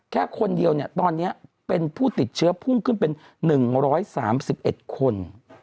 แค่คนเดียวเนี่ยตอนนี้เป็นผู้ติดเชื้อพุ่งขึ้นเป็น๑๓๑คน